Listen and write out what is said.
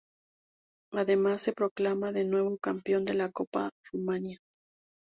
Además se proclama de nuevo campeón de la Copa de Rumania.